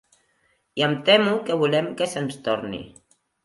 I em temo que volem que se'ns torni.